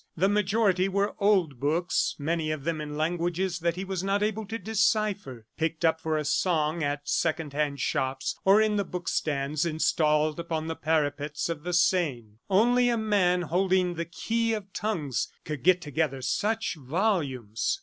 The majority were old books, many of them in languages that he was not able to decipher, picked up for a song at second hand shops or on the book stands installed upon the parapets of the Seine. Only a man holding the key of tongues could get together such volumes.